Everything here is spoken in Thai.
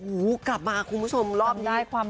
โอ้โหกลับมาคุณผู้ชมรอบนี้